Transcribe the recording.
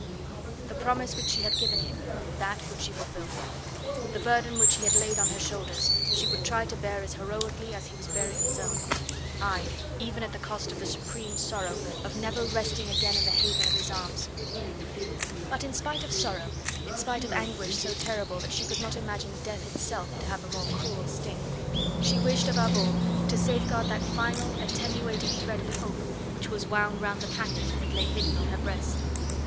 The promise which she had given him, that would she fulfil. The burden which he had laid on her shoulders she would try to bear as heroically as he was bearing his own. Aye, even at the cost of the supreme sorrow of never resting again in the haven of his arms. But in spite of sorrow, in spite of anguish so terrible that she could not imagine Death itself to have a more cruel sting, she wished above all to safeguard that final, attenuated thread of hope which was wound round the packet that lay hidden on her breast.